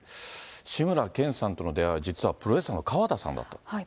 志村けんさんとの出会いは、実はプロレスラーの川田さんなんですね。